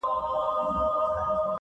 • پسرلیه نن دي رنګ د خزان راوی..